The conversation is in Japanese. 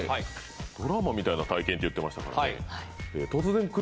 ドラマみたいな体験って言ってましたからね嬉しい？